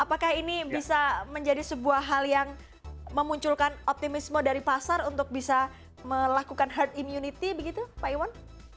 apakah ini bisa menjadi sebuah hal yang memunculkan optimisme dari pasar untuk bisa melakukan herd immunity begitu pak iwan